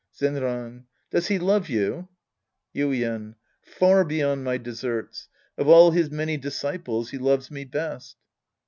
Zenran. Does he love you ? Yiden. Far beyond my deserts. Of all his many disciples, he loves me best.